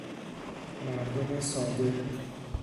مردم ساده